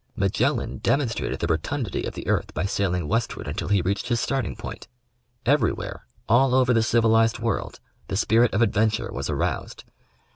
Magellan demonstrated the rotundity of the earth by sailing westward until he reached his starting point. Everywhere — all over the civilized world — the spirit of adven ture was ai'oused.